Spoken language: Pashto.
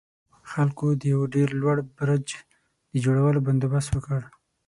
خلکو د يوه ډېر لوړ برج د جوړولو بندوبست وکړ.